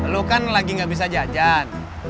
lo kan lagi gak bisa jajan